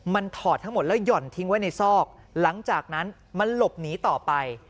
มันถอดทั้งหมดแล้วหย่อนทิ้งไว้ในซอกหลังจากนั้นมันหลบหนีต่อไป